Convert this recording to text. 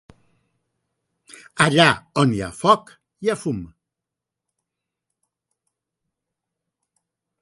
Allà on hi ha foc hi ha fum.